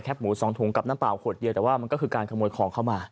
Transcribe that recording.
หมูสองถุงกับน้ำเปล่าขวดเดียวแต่ว่ามันก็คือการขโมยของเข้ามา